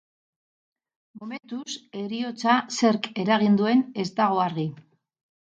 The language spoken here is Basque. Momentuz, heriotza zerk eragin duen ez dago argi.